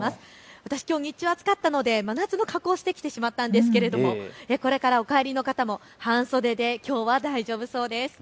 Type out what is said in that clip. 私、きょう日中暑かったので真夏の格好をしてきてしまったんですがこれからお帰りの方も半袖できょうは大丈夫そうです。